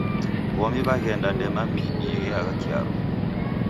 W'omi w'aghenda dema midi yeagha kigharo